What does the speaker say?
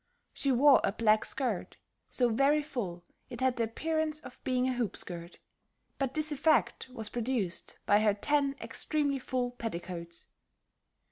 She wore a black skirt, so very full it had the appearance of being a hoop skirt; but this effect was produced by her ten extremely full petticoats.